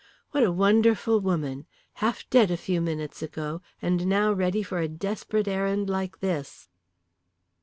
What a wonderful woman! Half dead a few minutes ago, and now ready for a desperate errand like this!"